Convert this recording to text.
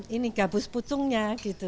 ini gabus pucungnya